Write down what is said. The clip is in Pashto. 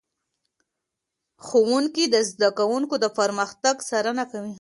ښوونکي د زده کوونکو د پرمختګ څارنه کوي.